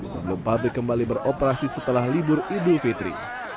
sebelum pabrik kembali beroperasi setelah libur idul fitri